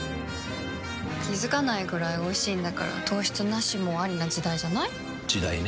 気付かないくらいおいしいんだから糖質ナシもアリな時代じゃない？時代ね。